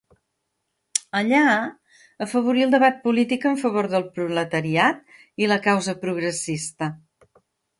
Allà afavorí el debat polític en favor del proletariat i la causa progressista.